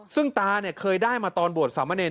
ซึ่งตาเนี่ยเคยได้มาตอนบวชสามเนร